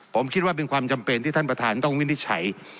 ผมคิดว่าเป็นความจำเป็นที่ท่านประธานต้องวินิจฉัย